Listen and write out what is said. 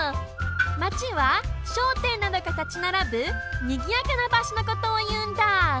「街」はしょうてんなどがたちならぶにぎやかなばしょのことをいうんだ。